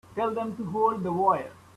Tell them to hold the wire.